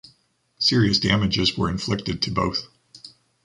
Serious damages were inflicted to both.